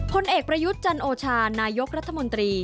ผลเอกประยุทธ์จันโอชานายกรัฐมนตรี